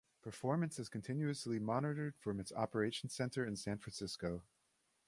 Performance is continuously monitored from its operations center in San Francisco.